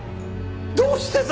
どうしてさ？